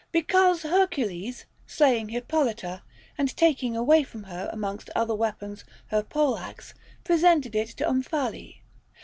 Because Hercules slaying Hippolyta, and taking away from her amongst other weapons her pole axe, presented it to Omphale.